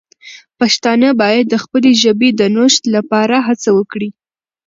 پښتانه باید د خپلې ژبې د نوښت لپاره هڅه وکړي.